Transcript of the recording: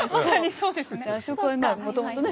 そうですよね。